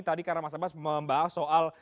tadi karena mas abbas membahas soal